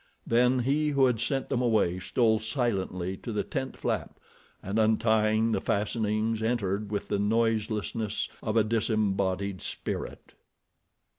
Then he who had sent them away stole silently to the tent flap and untying the fastenings entered with the noiselessness of a disembodied spirit.